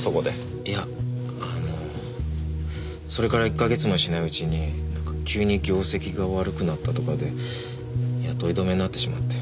いやあのそれから１か月もしないうちになんか急に業績が悪くなったとかで雇い止めになってしまって。